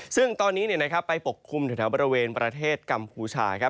ซึ่งตอนนี้ไปปกคลุมแถวบริเวณประเทศกัมพูชาครับ